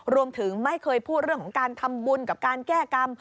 รวมถึงไม่เคยพูดเรื่องของการทำบุญกับการแก้กรรม